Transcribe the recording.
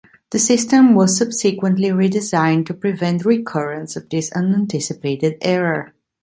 The system was subsequently redesigned to prevent recurrence of this unanticipated error.